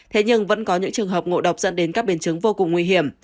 thế nhưng vẫn có những trường hợp ngộ độc dẫn đến các biến chứng vô cùng nguy hiểm